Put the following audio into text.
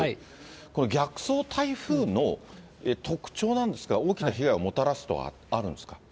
この逆走台風の特徴なんですが、大きな被害をもたらすとかあるんですか。